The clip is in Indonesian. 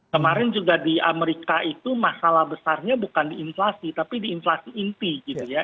kemarin juga di amerika itu masalah besarnya bukan di inflasi tapi di inflasi inti gitu ya